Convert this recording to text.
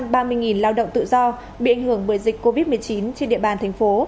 có hai trăm ba mươi lao động tự do bị ảnh hưởng bởi dịch covid một mươi chín trên địa bàn thành phố